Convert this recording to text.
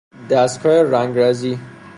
دستگاه رنگرزی